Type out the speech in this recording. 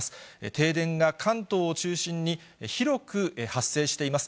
停電が関東を中心に、広く発生しています。